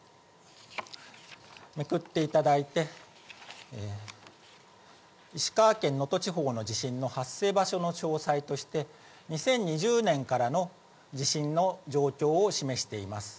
めくっていただいて、石川県能登地方の地震の発生場所の詳細として、２０２０年からの地震の状況を示しています。